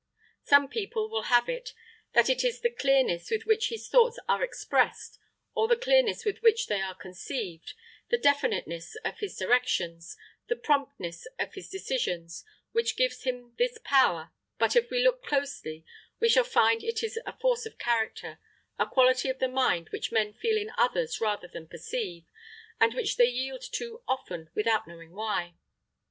Some people will have it that it is the clearness with which his thoughts are expressed, or the clearness with which they are conceived, the definiteness of his directions, the promptness of his decisions, which gives him this power; but if we look closely, we shall find that it is force of character a quality of the mind which men feel in others rather than perceive, and which they yield to often without knowing why.